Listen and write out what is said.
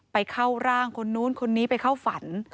ไปเข้าร่างคนนู้นคนนี้ไปเข้าฝัน